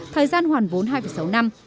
thời gian hoàn vốn hai sáu năm